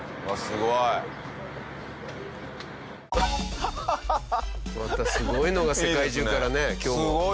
またすごいのが世界中からね今日も。